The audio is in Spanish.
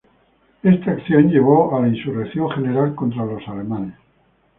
Esta acción llevó a la insurrección general contra los alemanes.